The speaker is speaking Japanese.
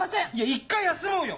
一回休もうよ